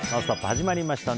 始まりました。